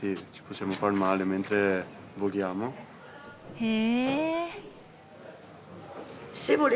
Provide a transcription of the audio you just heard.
へえ。